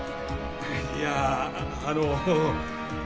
いやあの。